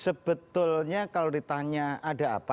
sebetulnya kalau ditanya ada apa